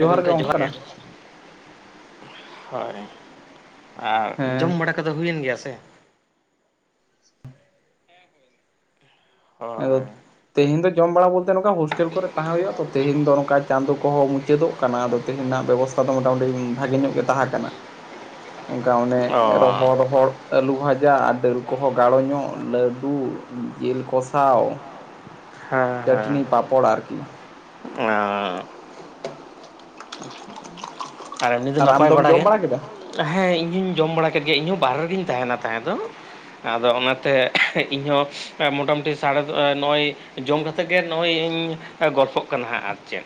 ᱦᱮᱸ ᱜᱚᱝᱠᱮ ᱡᱚᱦᱟᱨ ᱜᱮ, ᱦᱳᱭ᱾ ᱟᱨ ᱦᱮᱸ ᱡᱚᱢ ᱵᱟᱲᱟ ᱠᱚᱫᱚ ᱦᱩᱭᱮᱱ ᱜᱮᱭᱟ ᱥᱮ? ᱦᱳᱭ ᱮᱨᱳᱫ ᱛᱮᱦᱮᱧ ᱫᱚ ᱡᱚᱢ ᱵᱟᱲᱟ ᱵᱚᱞᱛᱮ ᱱᱚᱝᱠᱟ ᱦᱳᱥ ᱴᱮᱞ ᱠᱚᱨᱮ ᱛᱟᱦᱮᱸ ᱦᱩᱭᱩᱜᱼᱟ ᱛᱚ, ᱛᱮᱦᱮᱧ ᱫᱚ ᱱᱚᱝᱠᱟ ᱪᱟᱸᱫᱳ ᱠᱚᱦᱚᱸ ᱢᱩᱪᱟᱹᱫᱚᱜ ᱠᱟᱱᱟ, ᱟᱫᱚ ᱛᱮᱦᱮᱧ ᱱᱟᱜ ᱵᱮᱵᱚᱥᱛᱷᱟ ᱫᱚ ᱢᱚᱴᱟᱢᱩᱴᱤᱢ ᱵᱷᱟᱜᱮ ᱧᱚᱜ ᱜᱮ ᱛᱟᱦᱮᱸ ᱠᱟᱱᱟ, ᱚᱱᱠᱟ ᱚᱱᱮ ᱚ ᱨᱚᱦᱚᱲ ᱨᱚᱦᱚᱲ ᱟᱞᱩ ᱵᱷᱟᱡᱟ ᱟᱨ ᱰᱟᱹᱞ ᱠᱚᱦᱚᱸ ᱜᱟᱲᱚ ᱧᱚᱜ ᱞᱟᱹᱰᱩ ᱡᱤᱞ ᱠᱚᱥᱟᱣ᱾ ᱦᱮᱸ ᱦᱮᱸ, ᱪᱟᱹᱴᱱᱤ ᱯᱟᱯᱚᱲ ᱟᱨᱠᱤ ᱚᱸᱟ ᱟᱨ ᱮᱢᱱᱤ ᱫᱚ ᱟᱢ ᱱᱟᱯᱟᱭ ᱫᱚᱢ ᱡᱚᱢ ᱵᱟᱲᱟᱜᱮ, ᱵᱟᱲᱟ ᱠᱮᱫᱟ ᱦᱮᱸ ᱤᱧ ᱦᱚᱸᱧ ᱡᱚᱢ ᱵᱟᱲᱟ ᱠᱮᱫ ᱜᱮ ᱤᱧᱦᱚᱸ ᱵᱟᱨᱦᱨᱮ ᱨᱮᱜᱮᱧ ᱛᱟᱦᱮᱱᱟ ᱛᱟᱦᱮᱸ ᱫᱚ᱾ ᱟᱫᱚ ᱚᱱᱟᱛᱮ ᱤᱧ ᱦᱚᱸ ᱢᱚᱴᱟᱢᱩᱴᱤ ᱥᱟᱲᱮ ᱫᱚ ᱱᱚᱼᱚᱭ ᱡᱚᱢ ᱠᱟᱛᱮ ᱜᱮ ᱱᱚᱼᱚᱭ ᱤᱧ ᱮ ᱜᱚᱞᱯᱷᱚᱜ ᱠᱟᱱᱟ ᱦᱟᱸᱜ ᱟᱨ ᱪᱮᱫ᱾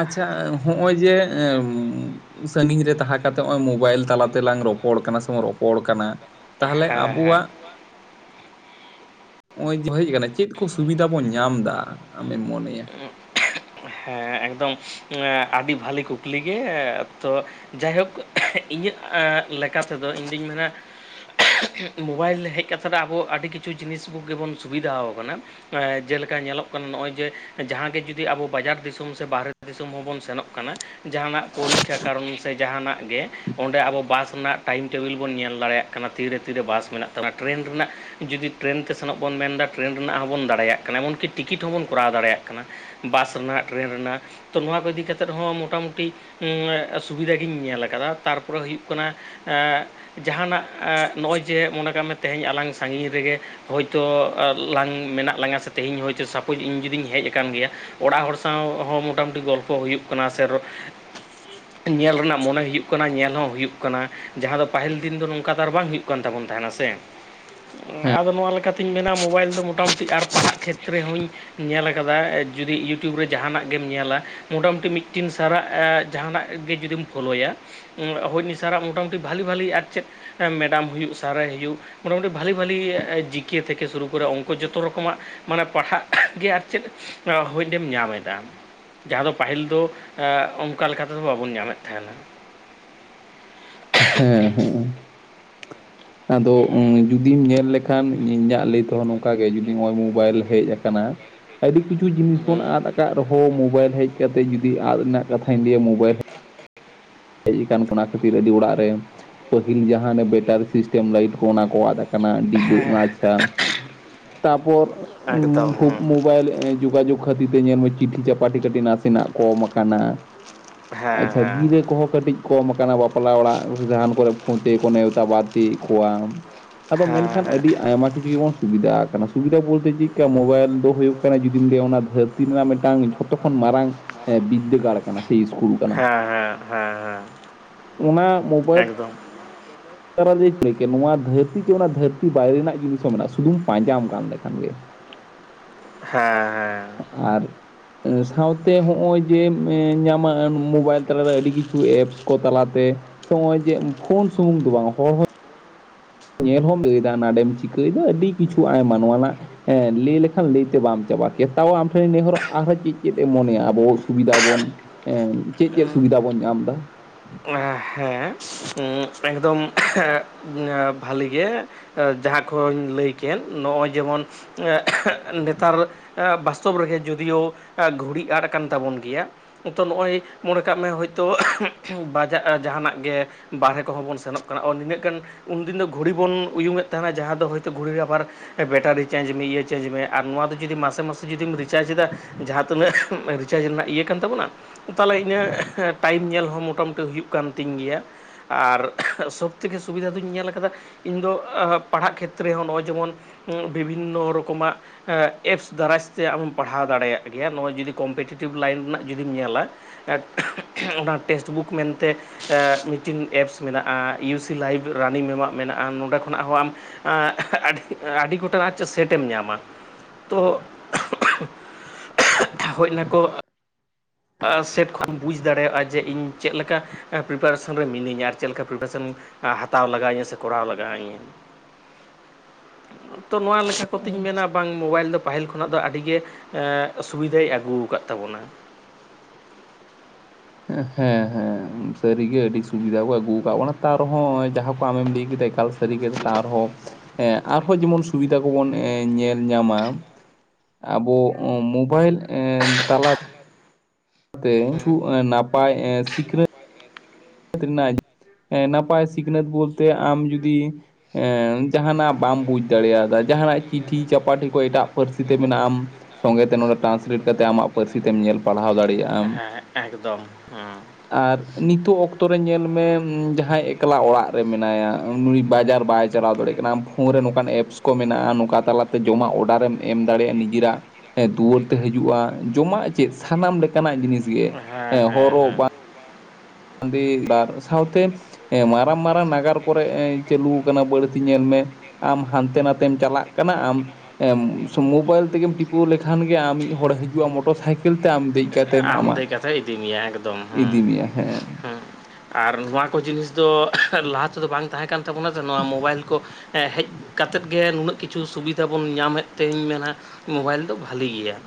ᱟᱪᱪᱷᱟ ᱦᱚᱜᱼᱚᱭ ᱡᱮ ᱮᱢ ᱥᱟᱺᱜᱤᱧ ᱨᱮ ᱛᱟᱦᱮᱸ ᱠᱟᱛᱮᱫ ᱱᱚᱼᱚᱭ ᱢᱳᱵᱟᱭᱤᱞ ᱛᱟᱞᱟᱛᱮᱞᱟᱝ ᱨᱚᱯᱚᱲ ᱠᱟᱱᱟ ᱥᱚᱢᱚ ᱨᱚᱯᱚᱲ ᱠᱟᱱᱟ᱾ ᱛᱟᱦᱚᱞᱮ ᱦᱮᱸ ᱦᱮᱸ ᱟᱵᱚᱣᱟᱜ ᱚᱭ ᱡᱮ ᱦᱮᱡ ᱟᱠᱟᱱᱟ ᱪᱮᱫ ᱠᱚ ᱥᱩᱵᱤᱫᱟ ᱵᱚᱱ ᱧᱟᱢ ᱫᱟ ᱟᱢᱮᱢ ᱢᱚᱱᱮᱭᱟ? ᱦᱮᱸᱻ ᱮᱠᱫᱚᱢ ᱮᱸ ᱟᱹᱰᱤ ᱵᱷᱟᱹᱞᱤ ᱠᱩᱠᱞᱤ ᱜᱮ ᱛᱚ ᱡᱟᱭᱦᱳᱠ ᱤᱧᱟᱹᱜ ᱮᱸ ᱞᱮᱠᱟ ᱛᱮᱫᱚ ᱤᱧᱫᱩᱧ ᱢᱮᱱᱟ ᱢᱳᱵᱟᱭᱤᱞ ᱦᱮᱡ ᱠᱟᱛᱮ ᱫᱚ ᱟᱵᱚ ᱟᱹᱰᱤ ᱠᱤᱪᱷᱩ ᱡᱤᱱᱤᱥ ᱠᱚ ᱜᱮ ᱵᱚᱱ ᱥᱩᱵᱤᱫᱟᱣ ᱟᱠᱟᱱᱟ᱾ ᱡᱮᱞᱮᱠᱟ ᱧᱮᱞᱚᱜ ᱠᱟᱱᱟ ᱱᱚᱜᱼᱚᱭ ᱡᱮ ᱡᱟᱦᱟᱸ ᱜᱮ ᱡᱩᱫᱤ ᱟᱵᱚ ᱵᱟᱡᱟᱨ ᱫᱤᱥᱚᱢ ᱥᱮ ᱵᱟᱦᱨᱮ ᱫᱤᱥᱚᱢ ᱦᱚᱸ ᱵᱚᱱ ᱥᱮᱱᱚᱜ ᱠᱟᱱᱟ, ᱡᱟᱦᱟᱸᱱᱟᱜ ᱯᱚᱨᱤᱠᱷᱟ ᱠᱟᱨᱚᱱ ᱥᱮ ᱡᱟᱦᱟᱸᱱᱟᱜ ᱜᱮ, ᱚᱸᱰᱮ ᱟᱵᱚ ᱵᱟᱥ ᱨᱮᱱᱟᱜ ᱴᱟᱭᱤᱢ ᱴᱮᱵᱤᱞ ᱵᱚᱱ ᱧᱮᱞ ᱫᱟᱲᱮᱭᱟᱜ ᱠᱟᱱᱟ᱾ ᱛᱤᱨᱮ ᱛᱤᱨᱮ ᱵᱟᱥ ᱢᱮᱱᱟᱜ ᱛᱟᱵᱚᱱᱟ ᱴᱨᱮᱱ ᱨᱮᱱᱟᱜ ᱡᱩᱫᱤ ᱴᱨᱮᱱ ᱛᱮ ᱥᱮᱱᱚᱜ ᱵᱚᱱ ᱢᱮᱱᱫᱟ ᱴᱨᱮᱱ ᱨᱮᱱᱟᱜ ᱦᱚᱸ ᱵᱚᱱ ᱫᱟᱲᱮᱭᱟᱜ ᱠᱟᱱᱟ ᱮᱢᱚᱱᱠᱤ ᱴᱤᱠᱤᱴ ᱦᱚᱸ ᱵᱚᱱ ᱠᱚᱨᱟᱣ ᱫᱟᱲᱮᱭᱟᱜ ᱠᱟᱱᱟ᱾ ᱵᱟᱥ ᱨᱮᱱᱟᱜ, ᱴᱨᱮᱱ ᱨᱮᱱᱟᱜ᱾ ᱛᱚ ᱱᱚᱣᱟ ᱠᱚ ᱤᱫᱤ ᱠᱟᱛᱮᱜ ᱦᱚᱸ ᱢᱚᱴᱟ ᱢᱩᱴᱤ [unintelligible] ᱥᱩᱵᱤᱫᱷᱟ ᱜᱤᱧ ᱧᱮᱞ ᱟᱠᱟᱫᱟ ᱛᱟᱨᱯᱚᱨᱮ ᱦᱩᱭᱩᱜ ᱠᱟᱱᱟ ᱮᱸ ᱡᱟᱦᱟᱸᱱᱟᱜ ᱱᱚᱜᱼᱚᱭ ᱡᱮ ᱢᱚᱱᱮ ᱠᱟᱜ ᱢᱮ ᱛᱮᱦᱮᱧ ᱟᱞᱟᱝ ᱥᱟᱺᱜᱤᱧ ᱨᱮᱜᱮ ᱦᱚᱭᱛᱚ ᱞᱟᱝ ᱢᱮᱱᱟᱜ ᱞᱟᱝᱟ ᱥᱮ ᱛᱮᱦᱤᱧ ᱦᱚᱭᱛᱳ ᱥᱟᱯᱳᱡᱽ ᱤᱧ ᱡᱩᱫᱤᱧ ᱦᱮᱡ ᱟᱠᱟᱱ ᱜᱮᱭᱟ, ᱚᱲᱟᱜ ᱦᱚᱲ ᱥᱟᱶ ᱦᱚᱸ ᱢᱚᱴᱟ ᱢᱩᱴᱤ ᱜᱚᱞᱯᱷᱚ ᱦᱩᱭᱩᱜ ᱠᱟᱱᱟ ᱥᱮ ᱦᱮ [inaudible] ᱧᱮᱞ ᱨᱮᱱᱟᱜ ᱢᱚᱱᱮ ᱦᱩᱭᱩᱜ ᱠᱟᱱᱟ, ᱧᱮᱞ ᱦᱚᱸ ᱦᱩᱭᱩᱜ ᱠᱟᱱᱟ᱾ ᱡᱟᱦᱟᱸ ᱫᱚ ᱯᱟᱹᱦᱤᱞ ᱫᱤᱱ ᱫᱚ ᱱᱚᱝᱠᱟ ᱫᱚ ᱟᱨ ᱵᱟᱝ ᱦᱩᱭᱩᱜ ᱠᱟᱱ ᱛᱟᱵᱚᱱ ᱛᱟᱦᱮᱸᱱᱟ ᱥᱮ᱾ ᱟᱫᱚ ᱱᱚᱣᱟ ᱞᱮᱠᱟᱛᱤᱧ ᱢᱮᱱᱟ ᱢᱳᱵᱟᱭᱤᱞ ᱫᱚ ᱢᱳᱴᱟ ᱢᱩᱴᱤ ᱟᱨ ᱯᱟᱲᱦᱟᱜ ᱠᱷᱮᱛᱨᱮ ᱦᱚᱸᱧ ᱧᱮᱞ ᱟᱠᱟᱫᱟ ᱡᱩᱫᱤ ᱤᱭᱩᱴᱩᱵᱽ ᱨᱮ ᱡᱟᱦᱟᱸᱱᱟᱜ ᱜᱮ ᱧᱮᱞᱟ ᱢᱚᱴᱟ ᱢᱩᱴᱤ ᱢᱤᱫᱴᱤᱱ ᱥᱟᱨᱟᱜ ᱡᱟᱦᱟᱸᱱᱟᱜ ᱜᱮ ᱡᱩᱫᱤᱢ ᱯᱷᱳᱞᱳᱭᱟ, ᱦᱳᱭ ᱩᱱᱤ ᱥᱟᱨᱟᱜ ᱢᱳᱴᱟᱢᱩᱴᱤ ᱵᱷᱟᱞᱤ ᱵᱟᱹᱞᱤ ᱟᱨ ᱪᱮᱫ ᱢᱮᱰᱟᱢ ᱦᱩᱭᱩᱜ, ᱥᱟᱨᱮ ᱦᱩᱭᱩᱜ, ᱢᱳᱴᱟ ᱢᱩᱴᱤ ᱵᱷᱟᱞᱤ ᱵᱷᱟᱞᱤ ᱜᱮ ᱡᱤ. ᱠᱮ. ‌ᱛᱷᱮᱠᱮ ᱥᱩᱨᱩ ᱠᱚᱨᱮ ᱚᱱᱠᱚ ᱡᱚᱛᱚ ᱨᱚᱠᱚᱢᱟᱜ ᱢᱟᱱᱮ ᱯᱟᱲᱦᱟᱜ ᱜᱮ ᱟᱨ ᱪᱮᱫ, [unintelligible] ᱧᱟᱢ ᱮᱫᱟᱢ᱾ ᱡᱟᱦᱟᱸ ᱫᱚ ᱯᱟᱹᱦᱤᱞ ᱫᱚ ᱮᱸ ᱚᱝᱠᱟ ᱞᱮᱠᱟ ᱛᱮᱫᱚ ᱵᱟᱵᱚᱱ ᱧᱟᱢᱮᱫ ᱛᱟᱦᱮᱸᱱᱟ ᱾ ᱦᱮᱸ ᱦᱮᱸᱜ-ᱮᱸ ᱾ ᱟᱫᱚ ᱡᱩᱫᱤᱢ ᱧᱮᱞ ᱞᱮ ᱠᱷᱟᱱ ᱤᱧᱟᱹᱜ ᱞᱟᱹᱭ ᱛᱮᱦᱚᱸ ᱱᱚᱝᱠᱟ ᱜᱮ ᱡᱩᱫᱤ ᱱᱚᱜᱼᱚᱭ ᱢᱳᱵᱟᱭᱤᱞ ᱦᱮᱡ ᱟᱠᱟᱱᱟ, ᱟᱹᱰᱤ ᱠᱤᱪᱷᱩ ᱡᱤᱱᱤᱥ ᱵᱚᱱ ᱟᱫ ᱟᱠᱟᱫ ᱨᱮᱦᱚᱸ ᱢᱳᱵᱟᱭᱤᱞ ᱦᱮᱡ ᱠᱟᱛᱮ ᱡᱩᱫᱤ ᱟᱫ ᱨᱮᱱᱟᱜ ᱠᱟᱛᱷᱟᱧ ᱞᱟᱹᱭᱟ ᱢᱳᱵᱟᱭᱤᱞ ᱦᱮ ᱦᱮᱡ ᱟᱠᱟᱱ ᱚᱱᱟ ᱠᱷᱟᱹᱛᱤᱨ ᱟᱹᱰᱤ ᱚᱲᱟᱜ ᱨᱮ ᱯᱟᱹᱦᱤᱞ ᱡᱟᱦᱟᱸ ᱚᱱᱮ ᱵᱮᱴᱟᱨᱤ ᱥᱤᱥᱴᱮᱢ ᱞᱟᱭᱤᱴ ᱠᱚ ᱚᱱᱟ ᱠᱚ ᱟᱫ ᱟ ᱠᱟᱱᱟ, ᱰᱤᱵᱟᱹ ᱦᱮᱸ ᱚᱱᱟ ᱟᱪᱪᱷᱟ, ᱛᱟᱯᱚᱨ ᱦᱮᱸ ᱮᱠᱫᱚᱢ ᱯᱷᱳ ᱦᱮᱸ ᱢᱳᱵᱟᱭᱤᱞ ᱡᱳᱜᱟ-ᱡᱳᱜ, ᱠᱷᱟᱹᱛᱤᱨ ᱛᱮ ᱧᱮᱞ ᱢᱮ ᱪᱤᱴᱷᱤ ᱪᱟᱯᱟᱴᱤ ᱠᱟᱹᱴᱤᱡ ᱱᱟᱥᱮᱱᱟᱜ ᱠᱚᱢ ᱟᱠᱟᱱᱟ, ᱦᱮᱸ ᱟᱪᱪᱷᱟ ᱦᱮᱸ ᱜᱤᱨᱟᱹ ᱠᱚᱦᱚᱸ ᱠᱟᱹᱴᱤᱡ ᱠᱚᱢ ᱟᱠᱟᱱᱟ ᱵᱟᱯᱞᱟ ᱚᱲᱟᱜ ᱡᱟᱦᱟᱸᱱ ᱠᱚᱨᱮ ᱯᱷᱳᱱ ᱛᱮᱜᱮ ᱠᱚ ᱱᱮᱣᱛᱟ ᱵᱟᱨᱛᱤᱭᱮᱜ ᱠᱚᱣᱟᱢ, ᱟᱫᱚ ᱦᱮᱸ ᱢᱮᱱᱠᱷᱟᱱ ᱦᱮᱸ ᱟᱹᱰᱤ ᱟᱭᱢᱟ ᱠᱤᱪᱷᱩ ᱜᱮ ᱵᱚᱱ ᱥᱩᱵᱤᱫᱟ ᱟᱠᱟᱱᱟ᱾ ᱥᱩᱵᱤᱫᱷᱟ ᱵᱚᱞᱛᱮ ᱪᱮᱫᱠᱟ ᱢᱳᱵᱟᱭᱤᱞ ᱫᱚ ᱦᱩᱭᱩᱜ ᱠᱟᱱᱟ ᱡᱩᱫᱤᱢ ᱞᱟᱹᱭᱟ ᱚᱱᱟ ᱫᱷᱟᱹᱨᱛᱤ ᱨᱮᱱᱟᱜ ᱢᱤᱫᱴᱟᱝ ᱡᱷᱚᱛᱚ ᱠᱷᱚᱱ ᱢᱟᱨᱟᱝ ᱮᱸ ᱵᱤᱫᱽᱫᱟᱹᱜᱟᱲ ᱠᱟᱱᱟ ᱥᱮ ᱤᱥᱠᱩᱞ ᱠᱟᱱᱟ᱾ [unintelligible] ᱦᱮᱸ ᱦᱮᱸ᱾ ᱚᱱᱟ ᱢᱳᱵᱟᱭᱤᱞ [inaudible] ᱱᱚᱣᱟ ᱫᱷᱟᱹᱨᱛᱤ ᱪᱮᱜ ᱚᱱᱟ ᱫᱷᱟᱹᱨᱛᱤ ᱵᱟᱭᱨᱮ ᱨᱮᱱᱟᱜ ᱡᱤᱱᱤᱥ ᱦᱚᱸ ᱢᱮᱱᱟᱜᱼᱟ ᱥᱩᱫᱩᱢ ᱯᱟᱸᱡᱟᱢ ᱜᱟᱱ ᱞᱮᱠᱷᱟᱱ ᱜᱮ᱾ ᱦᱮᱸ ᱦᱮᱸ᱾ ᱟᱨ ᱥᱟᱶᱛᱮ ᱦᱚᱸᱜᱼᱚᱭ ᱡᱮᱢ ᱧᱟᱢᱟ ᱢᱳᱵᱟᱭᱤᱞ ᱛᱟᱞᱟᱛᱮ ᱟᱹᱰᱤ ᱠᱤᱪᱷᱩ ᱮᱯᱥ ᱠᱚ ᱛᱟᱞᱟᱛᱮ, ᱥᱚᱢᱚᱭ ᱡᱮᱢ ᱯᱷᱳᱱ ᱥᱩᱢᱩᱝ ᱫᱚ ᱵᱟᱝ ᱦᱚᱲ ᱦᱚᱸ ᱧᱮᱞ ᱦᱚᱸᱢ ᱞᱟᱹᱭᱫᱟ ᱱᱟᱰᱮᱢ ᱪᱤᱠᱟᱹᱭᱮᱫᱟ ᱟᱹᱰᱤ ᱠᱤᱪᱷᱩ ᱟᱭᱢᱟ ᱱᱚᱣᱟ ᱨᱮᱱᱟᱜ ᱦᱮᱸ ᱞᱟᱹᱭ ᱞᱮᱠᱷᱟᱱ ᱞᱟᱹᱭᱛᱮ ᱵᱟᱢ ᱪᱟᱵᱟ ᱠᱮᱭᱟ, ᱛᱟᱣ ᱟᱢ ᱴᱷᱮᱱᱤᱧ ᱱᱮᱦᱚᱨᱚᱜ ᱟᱨᱦᱚᱸ ᱪᱮᱫ ᱪᱮᱫ ᱮᱢ ᱢᱚᱱᱮᱭᱟ ᱟᱵᱚ ᱥᱩᱵᱤᱫᱷᱟ ᱵᱚᱱ ᱦᱮᱸ ᱪᱮᱫ ᱪᱮᱫ ᱥᱩᱵᱤᱫᱷᱟ ᱵᱚᱱ ᱧᱟᱢᱫᱟ᱾ ᱦᱮᱸ ᱮᱠᱫᱚᱢ ᱵᱷᱟᱞᱤ ᱜᱮ ᱡᱟᱦᱟᱸ ᱠᱚᱧ ᱞᱟᱹᱭ ᱠᱮᱫ ᱱᱚᱜᱼᱚᱭ ᱡᱮᱢᱚᱱ ᱱᱮᱛᱟᱨ ᱵᱟᱥᱛᱚᱵ ᱨᱮᱜᱮ ᱡᱳᱫᱤᱭᱳ ᱜᱷᱩᱲᱤ ᱟᱫ ᱠᱟᱱ ᱛᱟᱵᱚᱱ ᱜᱮᱭᱟ ᱛᱚ ᱱᱚᱜᱼᱚᱭ ᱢᱚᱱᱮ ᱠᱟᱜ ᱢᱮ ᱦᱳᱭᱛᱳ ᱵᱟᱡᱟᱜ ᱡᱟᱦᱟᱱᱟᱜ ᱜᱮ ᱵᱟᱨᱦᱮ ᱠᱚᱦᱚᱸ ᱵᱚᱱ ᱥᱮᱱᱚᱜ ᱠᱟᱱᱟ ᱱᱤᱱᱟᱹᱜ ᱜᱟᱱ ᱩᱱᱫᱤᱱ ᱫᱚ ᱜᱷᱩᱲᱤ ᱵᱚᱱ ᱩᱭᱩᱝᱮᱫ ᱛᱟᱦᱮᱱᱟ ᱡᱟᱦᱟᱸ ᱫᱚ ᱦᱚᱭᱛᱳ ᱜᱷᱩᱲᱤ ᱨᱮ ᱟᱵᱟᱨ ᱵᱮᱴᱟᱨᱤ ᱪᱮᱧᱡ ᱢᱮ ᱤᱭᱟᱹ ᱪᱮᱧᱡ ᱢᱮ ᱟᱨ ᱱᱚᱣᱟ ᱫᱚ ᱡᱩᱤ ᱢᱟᱥᱮ ᱢᱟᱥᱮ ᱡᱩᱫᱤᱢ ᱨᱤᱪᱟᱨᱡᱽ ᱮᱟ ᱡᱟᱦᱟᱸ ᱛᱤᱱᱟᱹᱜ ᱪᱟᱨᱡᱽ ᱨᱮᱱᱟᱜ ᱤᱭᱟᱹ ᱠᱟᱱ ᱛᱟᱵᱚᱱᱟ ᱛᱟᱦᱚᱞᱮ ᱤᱧᱟᱹᱜ ᱴᱟᱭᱤᱢ ᱧᱮᱞ ᱦᱚᱸ ᱢᱚᱴᱟ ᱢᱩᱴᱤ ᱦᱩᱭᱩᱜ ᱠᱟᱱ ᱛᱤᱧ ᱜᱮᱭᱟ ᱟᱨ ᱥᱚᱵ ᱛᱷᱮᱠᱮ ᱥᱩᱵᱤᱫᱷᱟ ᱫᱩᱧ ᱧᱮᱞ ᱠᱟᱫᱟ ᱤᱧ ᱫᱚ ᱯᱟᱲᱦᱟᱜ ᱠᱷᱮᱛᱨᱮ ᱦᱚᱸ ᱱᱚᱜᱼᱚᱭ ᱡᱮᱢᱚᱱ ᱵᱤᱵᱷᱤᱱ ᱨᱚᱠᱚᱢᱟᱜ ᱮᱯᱥ ᱫᱟᱨᱟᱭ ᱛᱮ ᱟᱢᱮᱢ ᱯᱟᱲᱦᱟᱣ ᱫᱟᱲᱮᱭᱟᱜ ᱜᱮᱭᱟ ᱱᱚᱜᱼᱚᱭ ᱡᱩᱫᱤ ᱠᱚᱢᱯᱤᱴᱤᱴᱤᱵᱷ ᱞᱟᱭᱤᱱ ᱨᱮᱱᱟᱜ ᱡᱩᱫᱤᱢ ᱧᱮᱞᱟ ᱚᱱᱟ ᱴᱮᱠᱥᱴ ᱵᱩᱠ ᱢᱮᱱᱛᱮ ᱢᱤᱫᱴᱤᱱ ᱮᱯᱥ ᱢᱮᱱᱟᱜᱼᱟ ᱤᱭᱩ ᱥᱤ ᱞᱟᱭᱤᱵᱷ ᱨᱟᱱᱤᱝ ᱮᱢᱟᱜ ᱢᱮᱱᱟᱜᱼᱟ ᱱᱚᱸᱰᱮ ᱠᱷᱚᱱᱟᱜ ᱦᱚᱸ ᱟᱢ ᱟᱹᱰᱤ ᱜᱚᱴᱟᱝ ᱟᱜ ᱪᱚᱝ ᱥᱮᱴ ᱮᱢ ᱧᱟᱢᱟ ᱛᱚ ᱦᱚᱭᱱᱟ ᱠᱚ ᱥᱮᱴ ᱠᱷᱚᱱᱟᱜ ᱵᱩᱡᱽ ᱫᱟᱲᱮᱭᱟᱜᱼᱟ ᱡᱮ ᱤᱧ ᱪᱮᱫ ᱞᱮᱠᱟ ᱯᱨᱤᱯᱟᱨᱮᱥᱚᱱ ᱨᱮ ᱢᱤᱱᱟᱹᱧᱟ ᱟᱨ ᱪᱮᱫ ᱞᱮᱠᱟ ᱯᱨᱤᱯᱟᱨᱮᱥᱚᱱ ᱦᱟᱛᱟᱣ ᱞᱟᱜᱟᱣ ᱤᱧᱟᱹ ᱥᱮ ᱠᱚᱨᱟᱣ ᱞᱟᱜᱟᱣ ᱤᱧᱟᱹ [inaudible] ᱛᱚ ᱱᱚᱣᱟ ᱞᱮᱠᱟ ᱠᱚᱛᱮᱧ ᱢᱮᱱᱟ ᱵᱟᱝ ᱢᱳᱵᱟᱭᱤᱞ ᱫᱚ ᱯᱟᱦᱤᱞ ᱠᱷᱚᱱᱟᱜ ᱫᱚ ᱟᱹᱰᱤ ᱜᱮ ᱥᱩᱵᱤᱫᱷᱟᱭ ᱟᱹᱜᱩ ᱟᱠᱟᱫ ᱛᱟᱵᱚᱱᱟ᱾ ᱦᱮᱸ ᱦᱮᱸᱥᱟᱹᱨᱤᱜᱮ ᱟᱹᱰᱤ ᱥᱩᱵᱤᱫᱷᱟ ᱠᱚ ᱟᱹᱜᱩ ᱟᱠᱟᱫ ᱵᱚᱱᱟ ᱛᱟᱣ ᱨᱮᱦᱚᱸ ᱡᱟᱦᱟᱸ ᱠᱚ ᱟᱢᱮᱢ ᱞᱟᱹᱭ ᱠᱮᱫᱟ ᱮᱠᱟᱞ ᱥᱟᱨᱤ ᱥᱟᱹᱨᱤ ᱜᱮ ᱛᱟᱣᱨᱮᱦᱚᱸ ᱟᱨ ᱦᱚᱸ ᱟᱨᱦᱚᱸ ᱡᱮᱢᱚᱱ ᱥᱩᱵᱤᱫᱷᱟ ᱠᱚᱵᱚᱱ ᱧᱮᱞ ᱧᱟᱢᱟ ᱟᱵᱚ ᱢᱳᱵᱟᱭᱤᱞ ᱛᱟᱞᱟᱛᱮ ᱛᱮ ᱠᱤᱪᱷᱩ ᱱᱟᱯᱟᱭ ᱥᱤᱠᱷᱚᱱᱟᱹᱛ [unintelligible] ᱛᱤᱱᱟᱜ ᱱᱟᱯᱟᱭ ᱥᱤᱠᱷᱱᱟᱹᱛ ᱵᱚᱞᱛᱮ ᱟᱢ ᱡᱩᱫᱤ ᱡᱟᱦᱟᱱᱟᱜ ᱵᱟᱢ ᱵᱩᱡᱽ ᱫᱟᱲᱮᱭᱟᱫᱟ ᱡᱟᱦᱟᱱᱟᱜ ᱪᱤᱴᱷᱤ ᱪᱟᱯᱟᱴᱷᱤ ᱠᱚ ᱮᱴᱟᱜ ᱯᱟᱹᱨᱥᱤ ᱛᱮ ᱢᱮᱱᱟᱜᱼᱟ ᱟᱢ ᱥᱚᱸᱜᱮᱛᱮ ᱱᱚᱰᱮ ᱴᱨᱟᱱᱥᱞᱮᱴ ᱠᱟᱛᱮᱫ ᱟᱢᱟᱜ ᱯᱟᱹᱨᱥᱤ ᱛᱮᱢ ᱧᱮᱞ ᱯᱟᱲᱦᱟᱣ ᱫᱟᱲᱮᱭᱟᱜᱼᱟᱢ। ᱦᱮᱸ ᱮᱠᱫᱚᱢ ᱦᱮᱸ। ᱟᱨ ᱱᱤᱛᱚᱜ ᱚᱠᱛᱚ ᱚᱠᱛᱚ ᱨᱮ ᱧᱮᱞ ᱢᱮ ᱡᱟᱦᱟᱸᱭ ᱮᱠᱞᱟ ᱚᱲᱟᱜ ᱨᱮ ᱢᱮᱱᱟᱭᱟ ᱩᱱᱤ ᱵᱟᱡᱟᱨ ᱵᱟᱭ ᱪᱟᱞᱟᱣ ᱫᱟᱲᱮᱭᱟᱜ ᱠᱟᱱᱟ ᱟᱢ ᱯᱷᱳᱱ ᱨᱮ ᱱᱚᱝᱠᱟᱱ ᱮᱯᱥ ᱠᱚ ᱢᱮᱱᱟᱜᱼᱟ ᱱᱚᱝᱠᱟ ᱛᱟᱞᱟᱛᱮ ᱡᱚᱢᱟᱜ ᱚᱰᱟᱨᱮᱢ ᱮᱢ ᱫᱟᱲᱮᱭᱟᱜᱼᱟ ᱱᱤᱡᱮᱨᱟᱜ ᱫᱩᱣᱟᱹᱨ ᱛᱮ ᱦᱤᱡᱩᱜᱼᱟ ᱡᱚᱢᱟᱜ ᱪᱮᱫ ᱥᱟᱱᱟᱢ ᱞᱮᱠᱟᱱᱟᱜ ᱡᱤᱱᱤᱥ ᱜᱮ ᱦᱮᱸ ᱦᱮᱸ ᱦᱮᱸ ᱦᱚᱨᱚᱜ ᱦᱮᱸ ᱵᱟᱫ ᱟᱰᱤ ᱵᱟᱨ ᱥᱟᱶᱛᱮ ᱦᱮᱸ ᱢᱟᱨᱟᱝ ᱢᱟᱨᱟᱝ ᱱᱟᱜᱟᱨ ᱠᱚᱨᱮᱜ ᱪᱟᱹᱞᱩ ᱠᱟᱱᱟ ᱵᱟᱹᱲᱛᱤ ᱧᱮᱞ ᱢᱮ ᱟᱢ ᱦᱟᱱᱛᱮ ᱱᱟᱛᱮᱢ ᱪᱟᱞᱟᱜ ᱠᱟᱱᱟ ᱟᱢ ᱢᱳᱵᱟᱭᱤᱞ ᱛᱮᱜᱮᱢ ᱴᱤᱯᱟᱹᱣ ᱞᱮᱠᱷᱟᱱ ᱜᱮ ᱟᱢ ᱢᱤᱫ ᱦᱚᱲᱮ ᱦᱤᱡᱩᱜᱼᱟᱢ ᱢᱚᱴᱚᱨ ᱥᱟᱭᱠᱮᱞ ᱛᱮ ᱟᱢ ᱫᱮᱡ ᱠᱟᱛᱮᱢ ᱟᱢ ᱟᱢᱟᱜ ᱫᱮᱡ ᱠᱟᱛᱮᱭ ᱤᱫᱤ ᱢᱮᱭᱟ ᱮᱠᱫᱚᱢ ᱦᱮᱸ। ᱤᱫᱤ ᱢᱮᱭᱟ ᱦᱮᱸ ᱟᱨ ᱱᱚᱣᱟ ᱠᱚ ᱡᱤᱱᱤᱥ ᱫᱚ ᱞᱟᱦᱟ ᱛᱮᱫᱚ ᱵᱟᱝ ᱛᱟᱦᱮᱸ ᱠᱟᱱ ᱛᱟᱵᱚᱱᱟ ᱥᱮ ᱱᱚᱣᱟ ᱢᱳᱵᱟᱭᱤᱞ ᱠᱚ ᱦᱮᱡ ᱠᱟᱛᱮᱫ ᱱᱩᱱᱟᱹᱜ ᱠᱤᱪᱷᱩ ᱥᱩᱵᱤᱫᱷᱟ ᱵᱚᱱ ᱧᱟᱢᱮᱫ ᱛᱮᱧ ᱢᱮᱱᱟ ᱢᱳᱵᱟᱭᱤᱞ ᱫᱚ ᱵᱷᱟᱹᱞᱤ ᱜᱮᱭᱟ।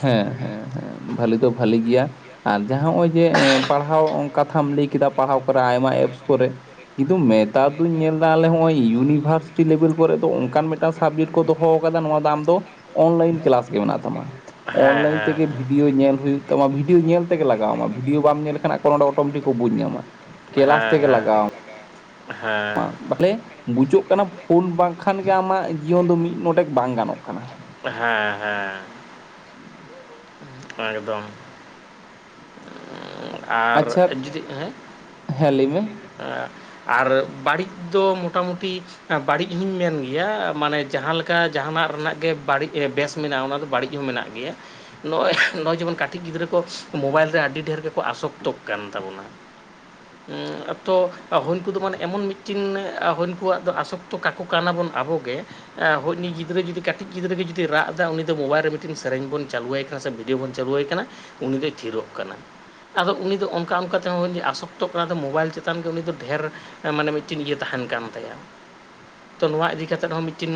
ᱦᱮᱸ ᱦᱮᱸ ᱦᱮᱸ ᱵᱷᱟᱹᱞᱤ ᱫᱚ ᱵᱷᱟᱹᱞᱤ ᱜᱮᱭᱟ। ᱟᱨ ᱡᱟᱦᱟᱸ ᱱᱚᱜᱼᱚᱭ ᱡᱮ ᱯᱟᱲᱦᱟᱣ ᱠᱟᱛᱷᱟᱢ ᱞᱟᱹᱭ ᱠᱮᱫᱟ ᱯᱟᱲᱦᱟᱣ ᱠᱚᱨᱮ ᱟᱭᱢᱟ ᱮᱯᱥ ᱠᱚᱨᱮ। ᱠᱤᱱᱛᱩ ᱱᱮᱛᱟᱨ ᱫᱚᱧ ᱧᱮᱞ ᱮᱫᱟ ᱟᱞᱮ ᱦᱚᱸᱜ -ᱚᱭ ᱤᱭᱩᱱᱤᱵᱷᱟᱨᱥᱤᱴᱤ ᱞᱮᱵᱮᱞ ᱠᱚᱨᱮ ᱫᱚ ᱚᱱᱠᱟᱱ ᱢᱮᱫ ᱴᱟ ᱥᱟᱵᱡᱮᱠᱴ ᱠᱚ ᱫᱚᱦᱚ ᱟᱠᱟᱫᱟ ᱱᱚᱣᱟ ᱫ ᱟᱢ ᱫᱚ ᱚᱱᱞᱟᱭᱤᱱ ᱠᱞᱟᱥ ᱜᱮ ᱢᱮᱱᱟᱜ ᱛᱟᱢᱟ। ᱦᱮᱸ ᱚᱱᱞᱟᱭᱤᱱ ᱦᱮᱸ ᱛᱮᱜᱮ ᱦᱮᱸ ᱵᱷᱤᱰᱭᱳ ᱧᱮᱞ ᱦᱩᱭᱩᱜ ᱛᱟᱢᱟ ᱵᱷᱤᱰᱭᱳ ᱧᱮᱞ ᱛᱮᱜᱮ ᱞᱟᱜᱟᱣ ᱟᱢᱟ ᱵᱷᱤᱰᱭᱳ ᱵᱟᱢ ᱧᱮᱞ ᱞᱮᱟᱱ ᱵᱚᱨᱚᱝ ᱚᱱᱰᱮ ᱚᱴᱳᱢᱮᱴᱤᱠ ᱠᱚ ᱵᱩᱡᱽ ᱧᱟᱢᱟ। ᱠᱮᱞᱟᱥ ᱦᱮᱸ ᱛᱮᱜᱮ ᱦᱮᱸ ᱞᱟᱜᱟᱣ ᱟᱢᱟ ᱦᱮᱸ। ᱵᱚᱞᱮ ᱵᱩᱡᱟᱹᱜ ᱠᱟᱱᱟ ᱯᱷᱳᱱ ᱵᱟᱝᱠᱷᱟᱱ ᱜᱮ ᱟᱢᱟᱜ ᱡᱤᱭᱚᱱ ᱫᱚ ᱢᱤᱫ ᱰᱚᱰᱮᱠ ᱵᱟᱝ ᱜᱟᱱᱚᱜ ᱠᱟᱱᱟ। ᱦᱮᱸ ᱦᱮᱸ। ᱮᱠᱫᱚᱢ। ᱟᱨ ᱟᱪᱪᱷᱟ ᱡᱩᱫᱤ ᱦᱮᱸ ᱦᱮᱸ ᱞᱟᱹᱭ ᱢᱮ? ᱟᱜ ᱟᱨ ᱵᱟᱹᱲᱤᱡ ᱫᱚ ᱢᱚᱴᱟᱢᱩᱴᱤ ᱵᱟᱹᱲᱤᱡ ᱦᱚᱸᱧ ᱢᱮᱱ ᱜᱮᱭᱟ ᱢᱟᱱᱮ ᱡᱟᱦᱟᱸ ᱞᱮᱠᱟ ᱡᱟᱦᱟᱱᱟᱜ ᱨᱮᱱᱟᱜ ᱜᱮ ᱵᱟᱹᱲᱤᱡ ᱵᱮᱥ ᱢᱮᱱᱟᱜᱼᱟ ᱚᱱᱟᱫᱚ ᱵᱟᱹᱲᱤᱡ ᱦᱚᱸ ᱢᱮᱱᱟᱜ ᱜᱮᱭᱟ। ᱱᱚᱜᱼᱚᱭ ᱱᱚᱜᱼᱚᱭ ᱡᱮᱢᱚᱱ ᱠᱟᱹᱴᱤᱡ ᱜᱤᱫᱽᱨᱟᱹ ᱠᱚ ᱢᱳᱵᱟᱭᱤᱞ ᱨᱮ ᱟᱹᱰᱤ ᱰᱷᱮᱨ ᱜᱮᱠᱚ ᱟᱥᱚᱠᱛᱚᱜ ᱠᱟᱱ ᱛᱟᱵᱳᱱᱟ ᱦᱮᱸ ᱟᱛᱚ ᱦᱩᱭᱠᱩᱫᱚ ᱢᱟᱱᱮ ᱮᱢᱚᱱ ᱢᱤᱫᱴᱤᱱ ᱦᱩᱭᱠᱩᱣᱟᱜ ᱫᱚ ᱟᱥᱚᱠᱛᱚ ᱠᱟᱠᱚ ᱠᱟᱱᱟᱵᱚᱱ ᱟᱵᱚ ᱜᱮ ᱦᱩᱭᱱᱤ ᱜᱤᱫᱽᱨᱟᱹ ᱡᱩᱫᱤ ᱠᱟᱴᱤᱡ ᱜᱤᱫᱽᱨᱟᱹ ᱜᱮ ᱡᱩᱫᱤ ᱨᱟᱜ ᱮᱫᱟ ᱩᱱᱤ ᱫᱚ ᱢᱳᱵᱟᱭᱤᱞ ᱨᱮ ᱢᱤᱫᱴᱤᱱ ᱥᱮᱨᱮᱧ ᱵᱚᱱ ᱪᱟᱹᱞᱩᱭᱟᱭ ᱠᱟᱱᱟ ᱥᱮ ᱜᱮ ᱵᱚᱱ ᱪᱟᱹᱞᱩᱣᱟᱭ ᱠᱟᱱᱟ ᱩᱱᱤ ᱫᱚᱭ ᱛᱷᱤᱨᱚᱜ ᱠᱟᱱᱟ। ᱟᱫᱚ ᱩᱱᱤ ᱫᱚ ᱚᱱᱠᱟ ᱚᱱᱠᱟ ᱛᱮᱦᱚ ᱟᱥᱚᱠᱛᱚᱜ ᱠᱟᱱᱟ ᱢᱳᱵᱟᱭᱤᱞ ᱪᱮᱛᱟᱱ ᱜᱮ ᱩᱱᱤ ᱫᱚ ᱰᱷᱮᱨ ᱢᱟᱱᱮ ᱢᱤᱫᱴᱤᱱ ᱤᱭᱟᱹ ᱛᱟᱦᱮᱱ ᱠᱟᱱ ᱛᱟᱭᱟ। [inaudible] ᱛᱚ ᱱᱚᱣᱟ ᱤᱫᱤ ᱠᱟᱛᱮᱫ ᱦᱚᱸ ᱢᱤᱫᱴᱤᱱ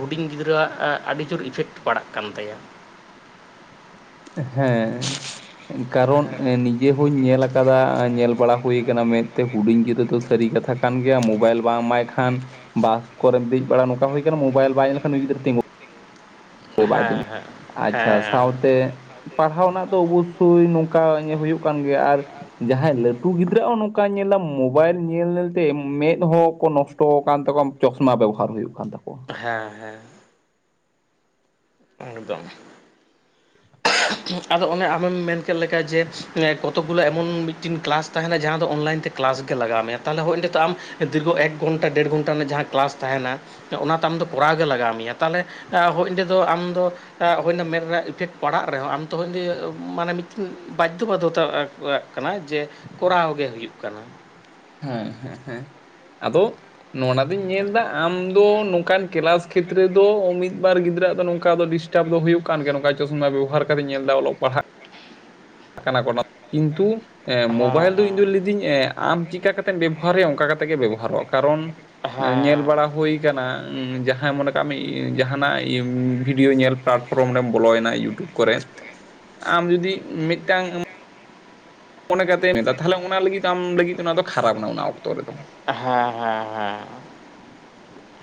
ᱦᱩᱰᱤᱧ ᱜᱤᱫᱽᱨᱟᱹᱭᱟᱜ ᱟᱹᱰᱤ ᱡᱳᱨ ᱤᱯᱷᱮᱠᱴ ᱯᱟᱲᱟᱜ ᱠᱟᱱ ᱛᱟᱭᱟ। ᱦᱮᱸ ᱠᱟᱨᱚᱱ ᱱᱤᱡᱮ ᱦᱚᱧ ᱧᱮᱞ ᱟᱠᱟᱫᱟ ᱧᱮᱞ ᱵᱟᱲᱟ ᱦᱩᱭ ᱟᱠᱟᱱᱟ ᱢᱮᱱᱛᱮ ᱦᱩᱰᱤᱧ ᱜᱤᱫᱽᱨᱟᱹ ᱫᱚ ᱥᱟᱹᱨᱤ ᱠᱟᱛᱷᱟ ᱠᱟᱱ ᱜᱮᱭᱟ ᱢᱳᱵᱟᱭᱤᱞ ᱵᱟᱝ ᱮᱢᱟᱭ ᱠᱷᱟᱱ ᱵᱟᱥ ᱠᱚᱨᱮᱢ ᱫᱮᱡ ᱵᱟᱲᱟ ᱱᱚᱝᱠᱟ ᱦᱩᱭ ᱟᱠᱟᱱᱟ ᱢᱳᱵᱟᱭᱤᱞ ᱵᱟᱭ ᱧᱮᱞ ᱞᱮᱠᱷᱟᱱ ᱱᱩᱭ ᱜᱤᱫᱽᱨᱟ ᱛᱤᱸᱜᱩ ᱦᱚᱸ ᱵᱟᱭ ᱦᱮᱸ ᱛᱤᱜᱩᱱ, ᱦᱮᱸ ᱟᱪᱪᱷᱟ ᱥᱟᱶᱛᱮ ᱯᱟᱲᱦᱟᱣ ᱨᱮᱱᱟᱜ ᱫᱚ ᱚᱵᱚᱥᱳᱭ ᱱᱚᱝᱠᱟ ᱦᱩᱭᱩᱜ ᱠᱟᱱ ᱜᱮᱭᱟ ᱟᱨ ᱡᱟᱦᱟᱸᱭ ᱞᱟᱹᱴᱩ ᱜᱤᱫᱽᱨᱟᱹ ᱦᱚᱸ ᱱᱚᱝᱠᱟ ᱧᱮᱞᱟ ᱢᱳᱵᱟᱭᱤᱞ ᱧᱮᱞ ᱧᱮᱞᱛᱮ ᱢᱮᱫᱦᱚ ᱠᱚ ᱱᱚᱥᱴᱚᱜ ᱛᱚ ᱠᱟᱱ ᱛᱟᱠᱚᱣᱟ ᱪᱚᱥᱢᱟ ᱵᱮᱵᱚᱦᱟᱨ ᱦᱩᱭᱩᱜ ᱠᱟᱱ ᱛᱟᱠᱚᱣᱟ। ᱦᱮᱸ ᱦᱮᱸ ᱦᱮᱸ᱾ ᱮᱠᱫᱳᱢ᱾ ᱟᱫᱚ ᱚᱱᱮ ᱟᱢᱮᱢ ᱢᱮᱱ ᱠᱮᱫ ᱞᱮᱠᱟ ᱡᱮ ᱠᱚᱛᱚᱠ ᱜᱩᱞᱟ. ᱮᱢᱚᱱ ᱢᱤᱫᱴᱤᱱ ᱠᱮᱞᱟᱥ ᱛᱟᱦᱮᱱᱟ ᱡᱟᱦᱟᱸ ᱫᱚ ᱚᱱᱞᱟᱭᱤᱱ ᱛᱮ ᱠᱮᱞᱟᱥ ᱜᱮ ᱞᱟᱜᱟᱣ ᱢᱮᱭᱟ, ᱛᱟᱦᱞᱮ ᱦᱳᱭ ᱱᱤᱛᱚᱜ ᱟᱢ ᱫᱤᱨᱜᱚ ᱮᱠ ᱜᱷᱚᱱᱴᱟ ᱫᱮᱲ ᱜᱷᱚᱱᱴᱟ ᱨᱮᱱᱟᱜ ᱡᱟᱦᱟᱸ ᱠᱮᱞᱟᱥ ᱛᱟᱦᱮᱱᱟ, ᱚᱱᱟ ᱛᱮ ᱟᱢᱫᱚ ᱠᱚᱨᱟᱣ ᱜᱮ ᱞᱟᱜᱟᱣ ᱢᱮᱭᱟ ᱛᱟᱦᱚᱞᱮ ᱦᱳ ᱚᱸᱰᱮ ᱫᱚ ᱟᱢ ᱫᱚ ᱦᱚᱭ ᱚᱱᱟ ᱢᱮᱱ ᱤᱯᱷᱮᱠᱴ ᱯᱟᱲᱟᱜ ᱨᱮᱦᱚᱸ ᱟᱢ ᱛᱚᱠᱷᱚᱱ ᱫᱚ ᱢᱟᱱᱮ ᱢᱤᱫᱴᱤᱱ ᱵᱟᱫᱽᱫᱷᱚ ᱵᱟᱫᱽᱫᱷᱚᱛᱟᱜ ᱠᱟᱱᱟ ᱡᱮ ᱠᱚᱨᱟᱣ ᱜᱮ ᱦᱩᱭᱩᱜ ᱠᱟᱱᱟ᱾ ᱦᱮᱸ ᱦᱮᱸ ᱦᱮᱸ ᱟᱫᱚ ᱱᱚᱜ ᱱᱚᱣᱟ ᱫᱚᱧ ᱧᱮᱞ ᱮᱫᱟ ᱟᱢ ᱫᱚ ᱱᱚᱝᱠᱟᱱ ᱠᱮᱞᱟᱥ ᱠᱷᱮᱛᱨᱮ ᱫᱚ ᱢᱤᱫ ᱵᱟᱨ ᱜᱤᱫᱽᱨᱟᱹᱜ ᱫᱚ ᱱᱚᱝᱠᱟ ᱫᱚ ᱰᱤᱥᱴᱟᱵ ᱫᱚ ᱦᱩᱭᱩᱜ ᱠᱟᱱ ᱜᱮ ᱱᱚᱝᱠᱟ ᱪᱚᱥᱢᱟ ᱵᱮᱵᱚᱦᱟᱨ ᱠᱟᱛᱮᱧ ᱧᱮᱞ ᱫᱟ ᱚᱞᱚᱜ ᱯᱟᱲᱦᱟᱜ ᱠᱟᱱᱟ ᱠᱚᱲᱟ ᱠᱤᱱᱛᱩ ᱦᱮᱸ ᱢᱳᱵᱟᱭᱤᱞ ᱫᱚ ᱦᱮᱸ ᱤᱧ ᱫᱚ ᱞᱟᱹᱭᱫᱟᱹᱧ ᱮ ᱟᱢ ᱪᱤᱠᱟ ᱠᱟᱛᱮᱢ ᱵᱮᱵᱚᱦᱟᱨᱭᱟ ᱚᱱᱠᱟ ᱠᱟᱛᱮ ᱜᱮ ᱵᱮᱵᱚᱦᱟᱨᱚᱜᱼᱟ ᱠᱟᱨᱚᱱ ᱧᱮᱞ ᱦᱮᱸ ᱵᱟᱲᱟ ᱦᱩᱭ ᱠᱟᱱᱟ ᱡᱟᱦᱟᱸᱭ ᱢᱚᱱᱮ ᱠᱟᱜ ᱢᱮ ᱡᱟᱦᱟᱱᱟᱜ ᱵᱷᱤᱰᱭᱳ ᱧᱮᱞ ᱯᱮᱞᱟᱴᱯᱷᱨᱚᱢ ᱨᱮᱢ ᱵᱚᱞᱚᱭᱮᱱᱟ ᱤᱭᱩᱴᱩᱵᱽ ᱠᱚᱨᱮ ᱟᱢ ᱡᱩᱫᱤ ᱢᱤᱫᱴᱟᱝ ᱢᱚᱱᱮ ᱠᱟᱛᱮ ᱱᱮᱛᱟ ᱛᱟᱦᱚᱞᱮ ᱚᱱᱟ ᱞᱟᱹᱜᱤᱫ ᱟᱢ ᱞᱟᱹᱜᱤᱫ ᱚᱱᱟ ᱫᱚ ᱠᱷᱟᱨᱟᱯ ᱮᱱᱟ ᱚᱱᱟ ᱚᱠᱛᱚ ᱨᱮᱫᱚ ᱦᱮᱸ ᱦᱮᱸ ᱦᱮᱸ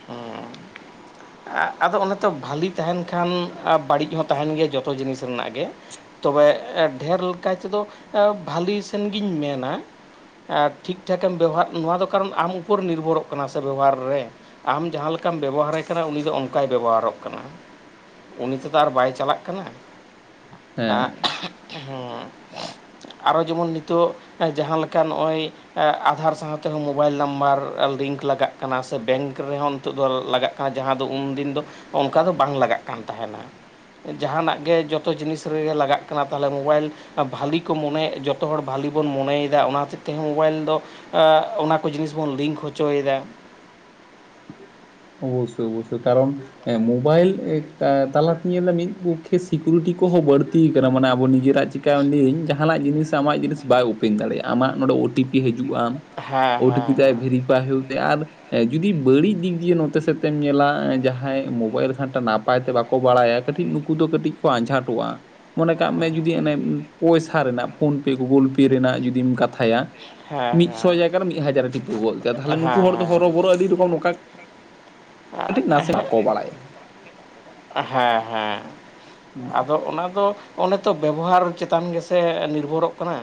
ᱦᱩᱸ [inaudible] ᱟᱫᱚ ᱚᱱᱮ ᱛᱚ ᱵᱦᱟᱹᱞᱤ ᱛᱟᱦᱮᱱ ᱠᱷᱟᱱ ᱵᱟᱹᱲᱤᱡ ᱦᱚᱸ ᱛᱟᱦᱮᱱ ᱜᱮᱭᱟ ᱡᱚᱛᱚ ᱡᱤᱱᱤᱥ ᱨᱮᱱᱟᱜ ᱜᱮ ᱾ ᱛᱚᱵᱮ ᱰᱷᱮᱨ ᱠᱟᱭ ᱛᱮᱫᱚ ᱵᱷᱟᱞᱤ ᱥᱮᱱ ᱜᱤᱧ ᱢᱮᱱᱟ ᱴᱷᱤᱠ ᱴᱷᱟᱠᱮᱢ ᱵᱮᱵᱚᱦᱟᱨ ᱱᱚᱣᱟ ᱫᱚ ᱠᱟᱨᱚᱱ ᱟᱢ ᱩᱯᱚᱨ ᱱᱤᱨᱵᱷᱚᱨᱚᱜ ᱠᱟᱱᱟ ᱥᱮ ᱵᱮᱵᱚᱦᱟᱨ ᱨᱮ᱾ ᱟᱢ ᱡᱟᱦᱟᱸ ᱞᱮᱠᱟᱢ ᱵᱮᱵᱚᱦᱟᱨᱮ ᱠᱟᱱᱟ ᱩᱱᱤ ᱫᱚ ᱚᱱᱠᱟᱭ ᱵᱮᱵᱚᱦᱟᱨᱚᱜ ᱠᱟᱱᱟ᱾ ᱩᱱᱤ ᱛᱮᱫᱚ ᱟᱨ ᱵᱟᱭ ᱪᱟᱞᱟᱜ ᱠᱟᱱᱟ ᱦᱮᱸ ᱮ ᱦᱮᱸ ᱟᱨᱚ ᱡᱮᱢᱚᱱ ᱱᱤᱛᱚᱜ ᱡᱟᱦᱟᱸ ᱞᱮᱠᱟ ᱱᱚᱜᱼᱚᱭ ᱮ ᱟᱫᱷᱟᱨ ᱥᱟᱶ ᱛᱮᱦᱚᱸᱼᱼ ᱢᱳᱵᱟᱭᱤᱞ ᱱᱟᱢᱵᱟᱨ ᱞᱤᱝᱠ ᱞᱟᱜᱟᱜ ᱠᱟᱱᱟ ᱥᱮ ᱵᱮᱝᱠ ᱨᱮᱦᱚᱸ ᱱᱤᱛᱚᱜ ᱫᱚ ᱞᱟᱜᱟᱜ ᱠᱟᱱᱟ ᱡᱟᱦᱟᱸ ᱫᱚ ᱩᱱᱫᱤᱱ ᱫᱚᱼᱼ ᱚᱱᱠᱟ ᱫᱚ ᱵᱟᱝ ᱞᱟᱜᱟᱜ ᱠᱟᱱ ᱛᱟᱦᱮᱱᱟ᱾ ᱡᱟᱦᱟᱱᱟᱜ ᱜᱮ ᱡᱚᱛᱚ ᱡᱤᱱᱤᱥ ᱨᱮᱜᱮ ᱞᱟᱜᱟᱜ ᱠᱟᱱᱟ ᱛᱟᱦᱚᱞᱮ ᱢᱳᱵᱟᱭᱤᱞ ᱵᱷᱟᱹᱞᱤ ᱠᱚ ᱢᱚᱱᱮ ᱡᱚᱛᱚ ᱦᱚᱲ ᱵᱷᱟᱹᱞᱤ ᱵᱚᱱ ᱢᱚᱱᱮᱭᱮᱫᱟ ᱚᱱᱟ ᱦᱚᱛ ᱮᱡ ᱛᱮᱦᱚᱸ ᱢᱳᱵᱟᱭᱤᱞ ᱫᱚ ᱮ ᱚᱱᱟᱼᱼ ᱠᱚ ᱡᱤᱱᱤᱥ ᱵᱚᱱ ᱞᱤᱝᱠ ᱦᱚᱪᱚᱭᱮᱫᱟ ᱚᱵᱚᱥᱥᱳᱭ ᱚᱵᱚᱥᱥᱳᱭ ᱠᱟᱨᱚᱱ ᱦᱮᱸ ᱢᱳᱵᱟᱭᱤᱞ ᱛᱟᱞᱟᱛᱮᱧ ᱧᱮᱞᱫᱟ ᱢᱤᱫ ᱯᱚᱠᱠᱷᱮ ᱥᱤᱠᱩᱨᱤᱴᱤ ᱠᱚᱦᱚᱸ ᱵᱟᱹᱲᱛᱤ ᱠᱟᱱᱟ ᱢᱟᱱᱮ ᱟᱵᱚ ᱱᱤᱡᱮᱨᱟᱜ ᱪᱤᱠᱟᱹᱭ ᱞᱟᱹᱭᱟᱹᱧ ᱡᱟᱦᱟᱱᱟᱜ ᱡᱤᱱᱤᱥ ᱟᱢᱟᱜ ᱡᱤᱱᱤᱥ ᱵᱟᱭ ᱳᱯᱮᱱ ᱫᱟᱲᱮᱭᱟᱜᱼᱟ ᱟᱢᱟᱜ ᱱᱚᱰᱮ ᱳ ᱴᱤ ᱯᱤᱼᱼ ᱦᱤᱡᱩᱜᱼᱟ ᱦᱮᱸ ᱳ ᱴᱤ ᱦᱮᱸ ᱯᱤ ᱵᱷᱮᱨᱤᱯᱷᱟᱭ ᱦᱩᱭᱩᱜ ᱛᱟᱭ ᱟᱨ ᱡᱩᱫᱤᱼᱼ ᱵᱟᱹᱲᱤᱡ ᱫᱤᱠ ᱫᱤᱭᱮ ᱱᱚᱛᱮ ᱥᱮᱫᱛᱮᱢ ᱧᱮᱞᱟ ᱡᱟᱦᱟᱸᱭ ᱢᱳᱵᱟᱭᱤᱞ ᱜᱷᱟᱱᱴᱟ ᱱᱟᱯᱟᱭ ᱛᱮ ᱵᱟᱠᱚ ᱵᱟᱲᱟᱭᱟ ᱠᱟᱹᱴᱤᱡ ᱱᱩᱠᱩ ᱫᱚ ᱠᱟᱹᱴᱤᱡᱼᱼ ᱠᱚ ᱟᱸᱡᱷᱟᱴᱚᱜᱼᱟ᱾ ᱢᱚᱱᱮ ᱠᱟᱜ ᱢᱮ ᱡᱩᱫᱤ ᱚᱱᱮ ᱯᱚᱭᱥᱟ ᱨᱮᱱᱟᱜ ᱯᱷᱳᱱ ᱯᱮ ᱜᱩᱜᱩᱞ ᱯᱮ ᱨᱮᱱᱟᱜ ᱡᱩᱫᱤᱢ ᱠᱟᱛᱷᱟᱭᱟ᱾ ᱦᱮᱸ ᱢᱤᱫᱥᱚ ᱡᱟᱭᱜᱟ ᱨᱮ ᱢᱤᱫ ᱦᱟᱡᱟᱨ ᱨᱮ ᱴᱤᱯᱟᱹ ᱜᱚᱫ ᱛᱟᱭᱟ ᱛᱟᱦᱚᱞᱮ ᱦᱮᱸ ᱱᱩᱠᱩ ᱦᱚᱲ ᱫᱚ ᱦᱮᱸ ᱦᱚᱨᱚᱵᱚᱨᱚ ᱟᱹᱰᱤ ᱨᱚᱠᱚᱢᱼᱼ ᱟᱠᱟ ᱦᱮᱸ ᱠᱟᱹᱴᱤᱡ ᱱᱟᱥᱮ ᱦᱮᱸ ᱵᱟᱠᱚ ᱵᱟᱲᱟᱭᱟ ᱦᱮᱸ ᱦᱮᱸ ᱟᱫᱚ ᱚᱱᱟ ᱫᱚᱼᱼ ᱚᱱᱮ ᱛᱚ ᱵᱮᱵᱚᱦᱟᱨ ᱪᱮᱛᱟᱱ ᱜᱮᱥᱮ ᱱᱤᱨᱵᱷᱚᱨᱚᱜ ᱠᱟᱱᱟ᱾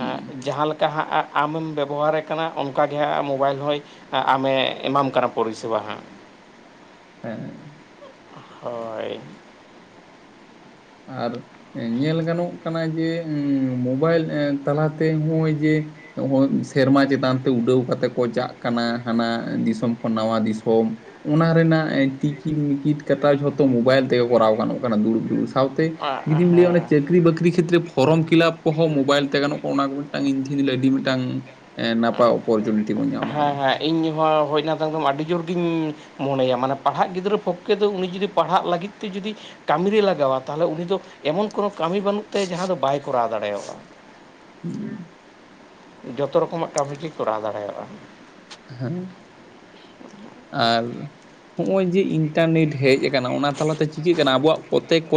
ᱮ ᱡᱟᱦᱟᱸ ᱞᱮᱠᱟ ᱦᱟᱸᱜᱼᱼ ᱟᱢᱮᱢ ᱵᱮᱵᱚᱦᱟᱨᱮᱫ ᱠᱟᱱᱟ ᱚᱱᱠᱟ ᱜᱮ ᱦᱟᱸᱜ ᱢᱳᱵᱟᱭᱤᱞ ᱦᱚᱸᱭ ᱟᱢᱮ ᱮᱢᱟᱢ ᱠᱟᱱᱟ ᱯᱚᱨᱤᱥᱮᱵᱟ ᱦᱟᱸᱜ ᱦᱮᱸ ᱦᱳᱭ ᱟᱨ ᱧᱮᱞ ᱜᱟᱱᱚᱜ ᱠᱟᱱᱟ ᱡᱮ ᱢᱳᱵᱟᱭᱤᱞ ᱛᱟᱞᱟᱛᱮ ᱱᱚᱜᱼᱚᱭ ᱡᱮᱼᱼ ᱥᱮᱨᱢᱟ ᱪᱮᱛᱟᱱ ᱛᱮ ᱩᱰᱟᱹᱣ ᱠᱟᱛᱮᱫ ᱠᱚ ᱪᱟᱜ ᱠᱟᱱᱟ ᱦᱟᱱᱟ ᱫᱤᱥᱚᱢ ᱠᱷᱚᱱ ᱱᱟᱣᱟ ᱫᱤᱥᱚᱢ᱾ ᱚᱱᱟ ᱨᱮᱱᱟᱜ ᱴᱤᱠᱤᱴ ᱢᱤᱠᱤᱴ ᱠᱟᱴᱟᱣ ᱡᱷᱚᱛᱚ ᱢᱳᱵᱟᱭᱤᱞ ᱛᱮᱜᱮ ᱠᱚᱨᱟᱣ ᱜᱟᱱᱚᱜ ᱠᱟᱱᱟ ᱫᱩᱲᱩᱵ ᱫᱩᱲᱩᱵ ᱥᱟᱶᱛᱮ ᱡᱩᱫᱤᱢ ᱞᱟᱹᱭᱟ ᱚᱱᱟ ᱦᱮᱸ ᱪᱟᱹᱠᱨᱤ ᱵᱟᱹᱠᱨᱤ ᱠᱷᱮᱛᱨᱮ ᱯᱷᱚ ᱯᱷᱚᱨᱚᱢ ᱯᱷᱤᱞᱟᱯ ᱠᱚᱦᱚᱸ ᱢᱳᱵᱟᱭᱤᱞ ᱛᱮ ᱜᱟᱱᱚᱜ ᱠᱟᱱᱟ ᱚᱱᱟ ᱠᱚ ᱢᱤᱫᱴᱟᱝ ᱤᱧ ᱫᱷᱤᱱ ᱟᱹᱰᱤ ᱢᱤᱫᱴᱟᱝ ᱮ ᱱᱟᱯᱟᱭ ᱚᱯᱚᱨᱪᱩᱱᱤᱴᱤ ᱵᱚᱱ ᱧᱟᱢ ᱦᱮᱸ ᱟᱠᱟᱫᱟ ᱾ ᱦᱮᱸ ᱤᱧ ᱦᱚᱸ ᱦᱚᱡ ᱱᱟ ᱫᱟ ᱮᱫᱚᱢ ᱟᱹᱰᱤ ᱡᱳᱨᱜᱮᱧ ᱢᱚᱱᱮᱭᱟ ᱢᱟᱱᱮ ᱯᱟᱲᱦᱟᱜ ᱜᱤᱫᱽᱨᱟᱹ ᱯᱚᱠᱠᱷᱮ ᱫᱚ ᱩᱱᱤ ᱡᱩᱫᱤ ᱯᱟᱲᱦᱟᱜ ᱞᱟᱹᱜᱤᱫ ᱛᱮ ᱡᱩᱫᱤ ᱠᱟᱹᱢᱤᱨᱮ ᱞᱟᱜᱟᱣᱟ ᱛᱟᱦᱚᱞᱮ ᱩᱱᱤ ᱫᱚ ᱮᱢᱚᱱ ᱠᱳᱱᱳ ᱠᱟᱹᱢᱤ ᱵᱟᱹᱱᱩᱜ ᱛᱟᱭᱟ ᱡᱟᱦᱟᱸ ᱫᱚ ᱵᱟᱭ ᱠᱚᱨᱟᱣ ᱫᱟᱲᱮᱭᱟᱜᱼᱟ ᱾ [inaudible] ᱡᱚᱛᱚ ᱨᱚᱠᱚᱢᱟᱜ ᱠᱟᱹᱢᱤᱜᱮ ᱠᱚᱨᱟᱣ ᱫᱟᱲᱮᱣᱟᱜᱼᱟ ᱾ ᱦᱮᱸ ᱟᱨ ᱱᱚᱜᱼᱚᱭ ᱡᱮ ᱤᱱᱴᱟᱨᱱᱮᱴ ᱦᱮᱡ ᱟᱠᱟᱱᱟ ᱚᱱᱟ ᱛᱟᱞᱟᱛᱮ ᱪᱤᱠᱟᱹᱜ ᱠᱟᱱᱟ ᱟᱵᱚᱣᱟᱜ ᱯᱨᱚᱛᱮᱠ ᱠᱚ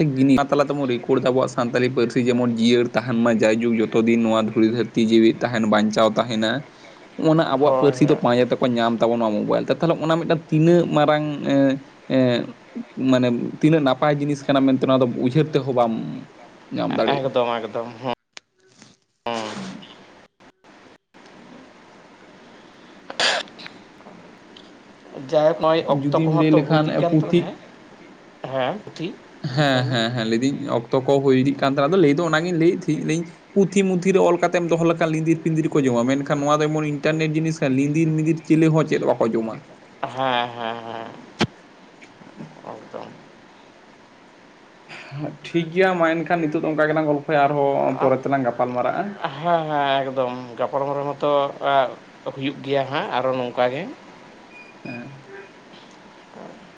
ᱡᱤᱱᱤ ᱚᱱᱟ ᱛᱟᱞᱟ ᱛᱮᱵᱚᱱ ᱨᱮᱠᱚᱨᱰ ᱫᱟ ᱟᱵᱚᱣᱟᱜ ᱥᱟᱱᱛᱟᱞᱤ ᱯᱟᱹᱨᱥᱤ ᱡᱮᱢᱚᱱ ᱡᱤᱭᱟᱹᱲ ᱛᱟᱦᱮᱱ ᱢᱟ ᱡᱟᱭᱡᱩᱜᱽ ᱡᱚᱛᱚ ᱫᱤᱱ ᱱᱚᱣᱟ ᱫᱷᱩᱲᱤ ᱫᱷᱟᱹᱨ ᱡᱤᱣᱤ ᱛᱟᱦᱮᱱ ᱵᱟᱧᱪᱟᱣ ᱛᱟᱦᱮᱱᱟ ᱱᱚᱜᱼᱱᱟ ᱟᱵᱚᱣᱟᱜ ᱦᱳᱭ ᱯᱟᱹᱨᱥᱤ ᱫᱚ ᱦᱳᱭ ᱯᱟᱸᱡᱟ ᱛᱟ ᱠᱚ ᱧᱟᱢ ᱛᱟᱵᱚ ᱱᱚᱣᱟ ᱢᱳᱵᱟᱭᱤᱞ ᱛᱮ ᱛᱟᱦᱚᱞᱮ ᱚᱱᱟ ᱢᱤᱫᱴᱟᱱ ᱛᱤᱱᱟᱹᱜ ᱢᱟᱨᱟᱝ ᱮᱸᱜ ᱢᱟᱱᱮ ᱛᱤᱱᱟᱹᱜ ᱱᱟᱯᱟᱭ ᱡᱤᱱᱤᱥ ᱠᱟᱱᱟ ᱢᱮᱱᱛᱮ ᱚᱱᱟ ᱫᱚ ᱩᱭᱦᱟᱹᱨ ᱛᱮᱦᱚᱸ ᱧᱟᱢ ᱫᱟᱲᱮᱭᱟᱜᱼᱟ ᱮᱠᱫᱚᱢ ᱮᱠᱫᱚᱢ ᱦᱮ ᱦᱮᱸ [inaudible] [inaudible] ᱡᱟᱭ ᱦᱳᱠ ᱱᱚᱜ-ᱚᱭ ᱚᱠᱛᱚ ᱡᱩᱫᱤᱢ ᱠᱚᱦᱚᱸ ᱞᱟᱹᱭ ᱛᱚ ᱦᱩᱭ ᱞᱮᱠᱷᱟᱱ ᱤᱫᱤᱜ ᱠᱟᱱ ᱛᱟᱞᱟᱝ ᱾ ᱯᱩᱛᱷᱤ ᱦᱮᱸ, ᱴᱷᱤᱠ᱾ ᱦᱮᱸ ᱦᱮᱸ ᱦᱮᱸ, ᱞᱟᱹᱭᱮᱫᱟᱹᱧ ᱚᱠᱛᱚ ᱠᱚ ᱦᱩᱭ ᱤᱫᱤᱜ ᱠᱟᱱ ᱛᱟᱦᱮᱸᱱᱟ ᱾ ᱟᱫᱚ ᱞᱟᱹᱭ ᱫᱚ ᱚᱱᱟ ᱜᱤᱧ ᱞᱟᱹᱭᱮᱫ ᱛᱟᱦᱮᱸᱱᱟᱤᱧ᱾ ᱯᱩᱛᱷᱤ-ᱢᱩᱛᱷᱤ ᱨᱮ ᱚᱞ ᱠᱟᱛᱮᱢ ᱫᱚᱦᱚ ᱞᱮᱠᱷᱟᱱ ᱞᱤᱸᱫᱤᱨ-ᱯᱤᱸᱫᱤᱨ ᱠᱚ ᱡᱚᱢᱟ, ᱢᱮᱱᱠᱷᱟᱱ ᱱᱚᱣᱟ ᱫᱚ ᱮᱢᱚᱱ ᱤᱱᱴᱟᱨᱱᱮᱴ ᱡᱤᱱᱤᱥ ᱠᱟᱱᱟ ᱾ ᱞᱤᱸᱫᱤᱨ-ᱢᱤᱸᱫᱤᱨ ᱪᱤᱞᱤ ᱦᱚᱸ ᱪᱮᱫ ᱵᱟᱠᱚ ᱡᱚᱢᱟ ᱾ ᱦᱮᱸ ᱦᱮᱸ ᱦᱮᱸ, ᱮᱠᱫᱚᱢ ᱾ ᱴᱷᱤᱠ ᱜᱮᱭᱟ ᱢᱟ ᱮᱱᱠᱷᱟᱱ ᱱᱤᱛᱚᱜ ᱫᱚ ᱚᱱᱠᱟ ᱜᱮ ᱞᱟᱝ ᱜᱚᱞᱯᱷᱚᱭᱟ, ᱟᱨᱦᱚᱸ ᱯᱚᱨᱮ ᱛᱮ ᱞᱟᱝ ᱜᱟᱯᱟᱞ ᱢᱟᱨᱟᱜ-ᱟ ᱾ ᱦᱮᱸ ᱦᱮᱸ, ᱮᱠᱫᱚᱢ ᱾ᱜᱟᱯᱟᱞᱢᱟᱨᱟᱣ ᱢᱟᱛᱚ ᱦᱩᱭᱩᱜ ᱜᱮᱭᱟ ᱦᱟᱸᱜ ᱟᱨᱚ ᱱᱚᱝᱠᱟ ᱜᱮ ᱾ [inaudible]